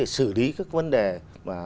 để xử lý các vấn đề mà